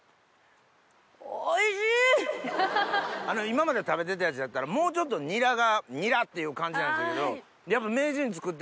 今まで食べてたやつやったらもうちょっとニラがニラ！っていう感じなんですけど名人作っ